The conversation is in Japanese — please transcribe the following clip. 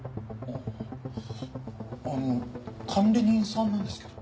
あの管理人さんなんですけど。